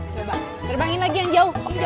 coba terbangin lagi yang jauh